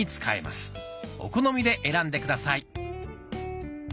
お好みで選んで下さい。